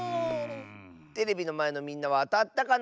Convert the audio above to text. テレビのまえのみんなはあたったかな？